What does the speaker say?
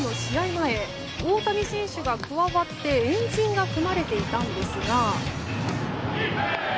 前大谷選手が加わって円陣が組まれていたんですが。